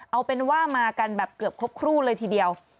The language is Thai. เอาเป็นว่ามากันแบบเกือบครบครู่เลยทีเดียว